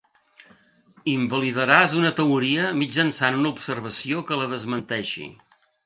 Invalidaràs una teoria mitjançant una observació que la desmenteixi.